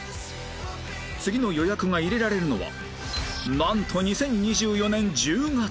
次の予約が入れられるのはなんと２０２４年１０月